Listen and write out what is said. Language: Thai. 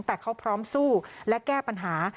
แต่เขาพร้อมสู้และแก้ปัญหา